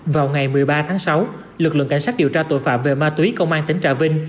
vào ngày một mươi ba tháng sáu lực lượng cảnh sát điều tra tội phạm về ma túy công an tỉnh trà vinh